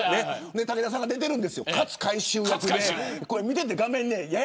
武田さんが出ているんです勝海舟役で。